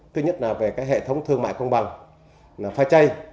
thứ nhất là về cái hệ thống thương mại công bằng là phai chay